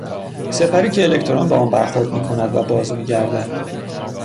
سپری که الکترون به آن برخورد میکند و باز میگردد